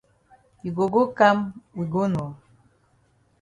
You go go kam we go nor.